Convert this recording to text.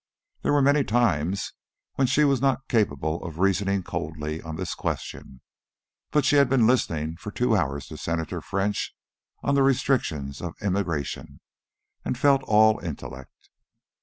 There were many times when she was not capable of reasoning coldly on this question, but she had been listening for two hours to Senator French on the restriction of immigration, and felt all intellect.